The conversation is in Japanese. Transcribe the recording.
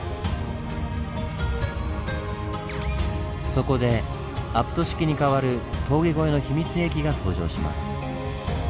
そこでアプト式に代わる峠越えの秘密兵器が登場します。